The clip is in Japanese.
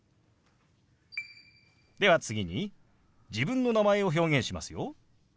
では次に自分の名前を表現しますよ。